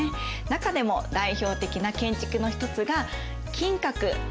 中でも代表的な建築の一つが金閣。